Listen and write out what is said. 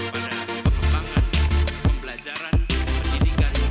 pada pengembangan pembelajaran pendidikan